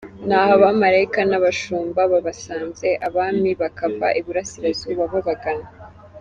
Ni aha abamalayika n’abashumba babasanze, abami bakava iburasirazuba babagana.